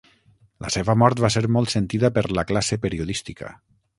La seva mort va ser molt sentida per la classe periodística.